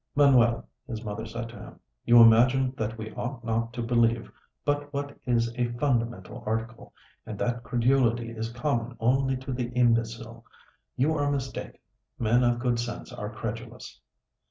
"Manuel," his mother said to him, "you imagine that we ought not to believe but what is a fundamental article, and that credulity is common only to the imbecile. You are mistaken: men of good sense are credulous."